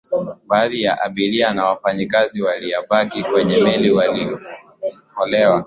baadhi ya abiria na wafanyikazi waliyobaki kwenye meli waliokolewa